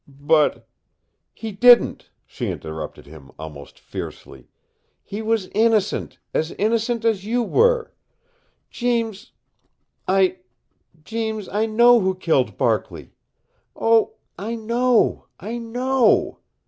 "But " "He DIDN'T," she interrupted him, almost fiercely. "He was innocent, as innocent as you were. Jeems I Jeems I know who killed Barkley. Oh, I KNOW I KNOW!"